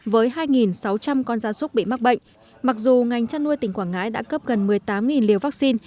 với hai sáu trăm linh con gia súc bị mắc bệnh mặc dù ngành chăn nuôi tỉnh quảng ngãi đã cấp gần một mươi tám liều vaccine